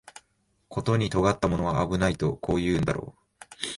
ことに尖ったものは危ないとこう言うんだろう